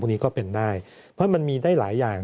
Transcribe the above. นี้ก็เป็นได้เพราะมันมีได้หลายอย่าง